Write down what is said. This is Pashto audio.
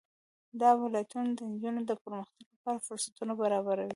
دا ولایتونه د نجونو د پرمختګ لپاره فرصتونه برابروي.